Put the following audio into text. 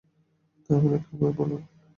তা হলে কী উপায় বলুন।